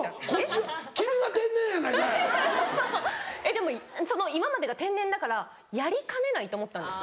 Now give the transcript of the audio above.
でも今までが天然だからやりかねないと思ったんです。